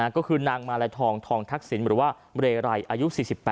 ก็คือนางมาลัยทองทองทักษิณหรือว่าเรไรอายุ๔๘